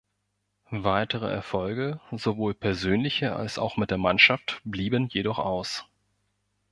Weitere Erfolge sowohl persönliche als auch mit der Mannschaft blieben jedoch aus.